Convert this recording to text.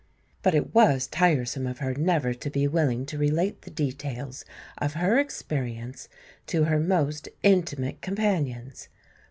But it was tiresome of her never to be willing to relate the details of her experience to her most intimate companions.